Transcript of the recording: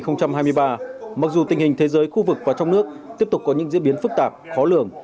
năm hai nghìn hai mươi ba mặc dù tình hình thế giới khu vực và trong nước tiếp tục có những diễn biến phức tạp khó lường